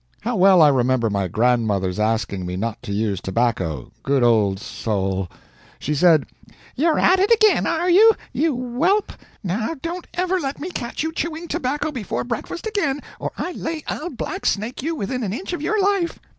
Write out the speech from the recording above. How well I remember my grandmother's asking me not to use tobacco, good old soul! She said, "You're at it again, are you, you whelp? Now don't ever let me catch you chewing tobacco before breakfast again, or I lay I'll blacksnake you within an inch of your life!"